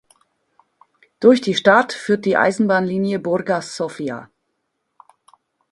Durch die Stadt führt die Eisenbahnlinie Burgas-Sofia.